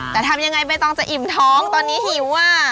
แต่ทำอย่างไรไม่ต้องจะอิ่มท้องตอนนี้หิว